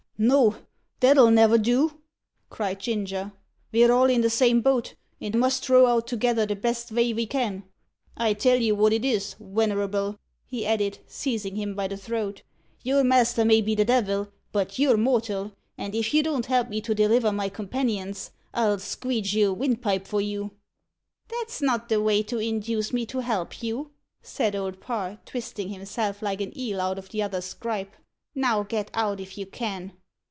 "No, that'll never do," cried Ginger. "Ve're all in the same boat, and must row out together the best vay ve can. I tell you wot it is, wenerable," he added, seizing him by the throat "your master may be the devil, but you're mortal; and if you don't help me to deliver my companions, I'll squeege your windpipe for you." "That's not the way to induce me to help you," said Old Parr, twisting himself like an eel out of the other's gripe. "Now get out, if you can."